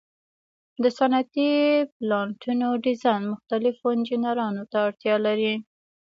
د صنعتي پلانټونو ډیزاین مختلفو انجینرانو ته اړتیا لري.